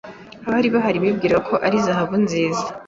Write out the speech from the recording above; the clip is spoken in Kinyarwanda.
Abari bahari bibwiraga ko ari zahabu nziza.